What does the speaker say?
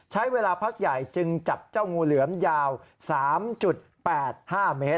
ใช้เวลาพักใหญ่จึงจับเจ้างูเหลือมยาว๓๘๕เมตร